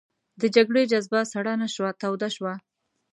د جګړې جذبه سړه نه شوه توده شوه.